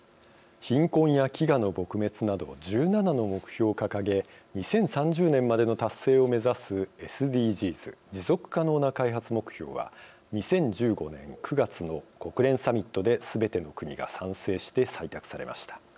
貧困や飢餓の撲滅など１７の目標を掲げ２０３０年までの達成を目指すＳＤＧｓ持続可能な開発目標は２０１５年９月の国連サミットですべての国が賛成して採択されました。